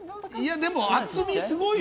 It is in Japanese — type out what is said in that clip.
でも厚み、すごいよ？